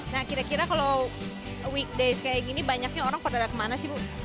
nah kira kira kalau weekdays kayak gini banyaknya orang pada kemana sih bu